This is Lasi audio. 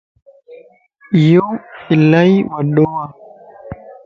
ايو الائي وڊو ا